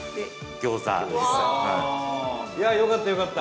伊達：よかった、よかった。